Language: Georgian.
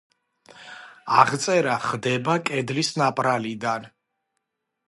აღწერა ხდება კედლის ნაპრალიდან.